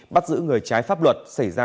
bắt giữ người trái pháp luật xảy ra